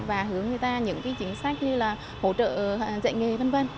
và hướng người ta những chính sách như là hỗ trợ dạy nghề v v